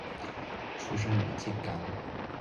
出生于静冈。